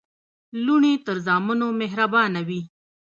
لوڼي تر زامنو مهربانه وي.